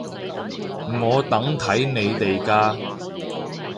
我等睇你哋㗎